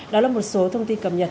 đó là một số thông tin cầm nhật